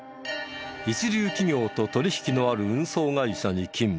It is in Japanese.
一流企業と取引のある運送会社に勤務。